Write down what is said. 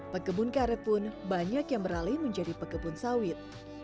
pekebun karet pun banyak yang beralih menjadi pekebun sawit